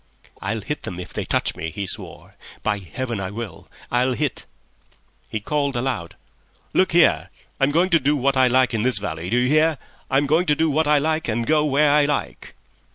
"I'll hit them if they touch me," he swore; "by Heaven, I will. I'll hit." He called aloud, "Look here, I'm going to do what I like in this valley! Do you hear? I'm going to do what I like and go where I like."